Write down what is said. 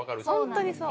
ホントにそう。